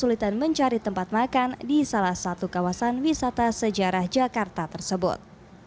kesulitan mencari tempat makan di salah satu kawasan wisata sejarah jakarta tersebut